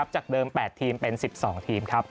จากเดิม๘ทีมเป็น๑๒ทีมครับ